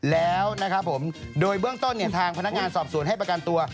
แล้วนะครับผมโดยเบื้องต้นเนี่ยทางพนักงานสอบสวนให้ประกันตัว